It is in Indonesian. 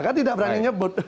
kan tidak berani nyebut